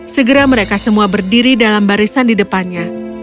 segera mereka semua berdiri dalam barisan di depannya